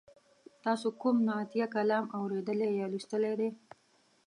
تاسې کوم نعتیه کلام اوریدلی یا لوستلی دی؟